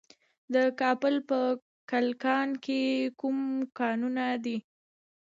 د کابل په کلکان کې کوم کانونه دي؟